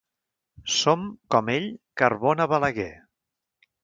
Som, com ell, Carbona Balaguer.